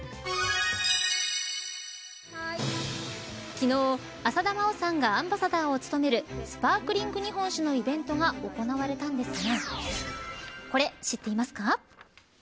昨日、浅田真央さんがアンバサダーを務めるスパークリング日本酒のイベントが行われたのですがこれ、知っていますか。